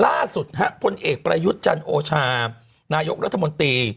ล่าสุดฮะพลเอกประยุทธ์จันโอชานายกรัฐมนตรี